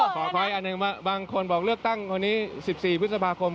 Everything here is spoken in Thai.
ขอถอยอันหนึ่งบางคนบอกเลือกตั้งวันนี้๑๔พฤษภาคม